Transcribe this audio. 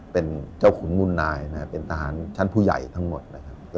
เป็นเจ้าขุนมุนนายนะครับเป็นทหารชั้นผู้ใหญ่ทั้งหมดนะครับ